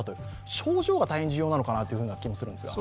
症状が大変重要なのかなという気がしますが。